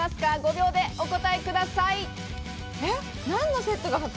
５秒でお答えください。